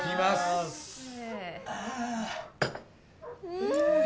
うん！